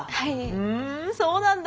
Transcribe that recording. ふんそうなんだ。